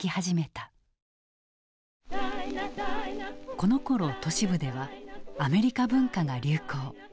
このころ都市部ではアメリカ文化が流行。